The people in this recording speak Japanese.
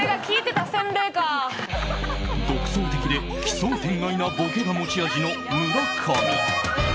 独創的で奇想天外なボケが持ち味の、村上。